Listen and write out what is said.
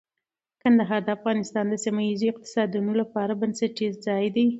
کندهار د افغانستان د سیمه ییزو اقتصادونو لپاره بنسټیز ځای دی.